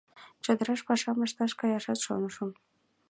Чодыраш пашам ышташ каяшат шонышым.